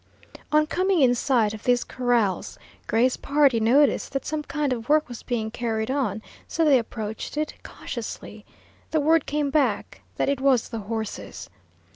On coming in sight of these corrals, Gray's party noticed that some kind of work was being carried on, so they approached it cautiously. The word came back that it was the horses.